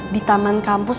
di taman kampus